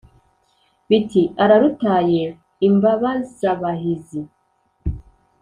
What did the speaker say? Biti " Ararutaye Imbabazabahizi !".